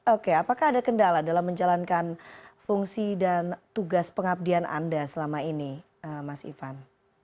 oke apakah ada kendala dalam menjalankan fungsi dan tugas pengabdian anda selama ini mas ivan